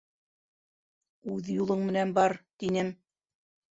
Үҙ юлың менән бар, тинем.